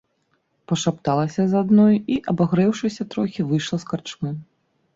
Пашапталася з адной і, абагрэўшыся трохі, выйшла з карчмы.